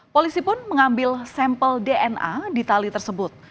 polisi pun mengambil sampel dna di tali tersebut